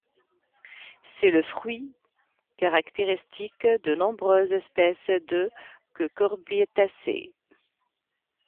C'est le fruit caractéristique de nombreuses espèces de Cucurbitacées.